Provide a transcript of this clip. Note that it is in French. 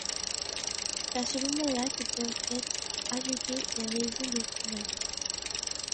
C'est à ce moment-là que peuvent être ajoutés les raisins de Corinthe.